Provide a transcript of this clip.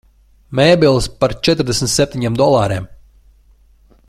Mēbeles par četrdesmit septiņiem dolāriem.